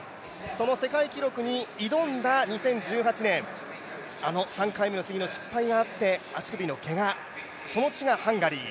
その世界記録に挑んだ２０１８年、あの３回目の失敗があって足首のけが、その地がハンガリー。